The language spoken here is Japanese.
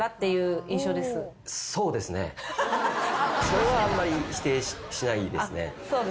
それはあんまり否定しないですね。